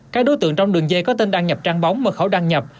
các đối tượng trong đường dây có tên đăng nhập trang bóng mật khẩu đăng nhập